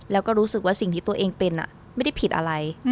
แล้วก็รู้สึกว่าสิ่งที่ตัวเองเป็นไม่ได้ผิดอะไร